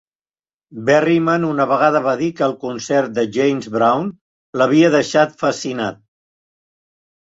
Berryman una vegada va dir que el concert de James Brown l'havia deixat fascinat.